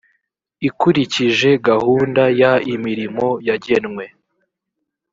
ikurikije gahunda y imirimo yagenwe